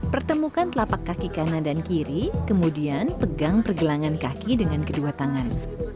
pertemukan telapak kaki kanan dan kiri kemudian pegang pergelangan kaki dengan kedua tangan